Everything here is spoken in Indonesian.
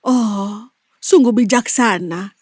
oh sungguh bijaksana